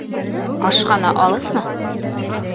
Ашхана алыҫмы?